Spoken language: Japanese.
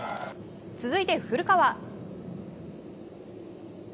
続いて、古川。